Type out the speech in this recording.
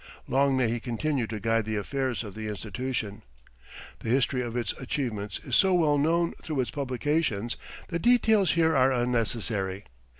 Long may he continue to guide the affairs of the Institution! The history of its achievements is so well known through its publications that details here are unnecessary.